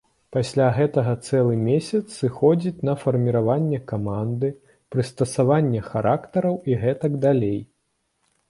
Пасля гэтага цэлы месяц сыходзіць на фарміраванне каманды, прыстасаванне характараў і гэтак далей.